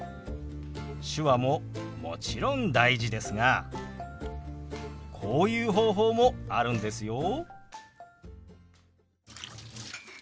手話ももちろん大事ですがこういう方法もあるんですよ。